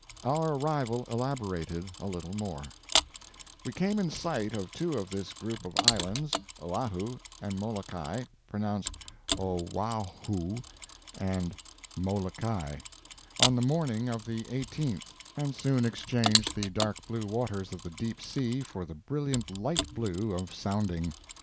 OUR ARRIVAL ELABORATED A LITTLE MORE We came in sight of two of this group of islands, Oahu and Molokai (pronounced O waw hoo and Molloki), on the morning of the 18th, and soon exchanged the dark blue waters of the deep sea for the brilliant light blue of "sounding."